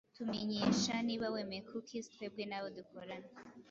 Tumenyesha niba wemeye cookiesTwebwe n'abo dukorana